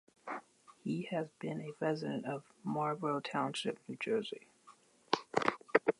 He has been a resident of Marlboro Township, New Jersey.